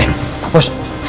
eh pak bos